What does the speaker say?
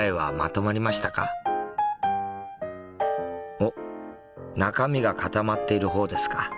おっ中身が固まっている方ですか。